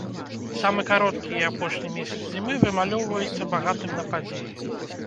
Самы кароткі і апошні месяц зімы вымалёўваецца багатым на падзеі.